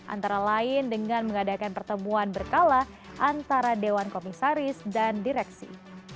antara lain dengan mengadakan pertemuan berkala antara dewan komisaris dan direksi